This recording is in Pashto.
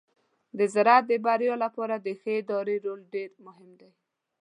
د زراعت د بریا لپاره د ښه ادارې رول ډیر مهم دی.